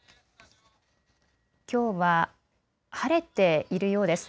きょうは晴れているようです。